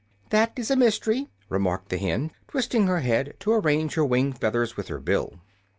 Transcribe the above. "That is a mystery," remarked the hen, twisting her head to arrange her wing feathers with her bill.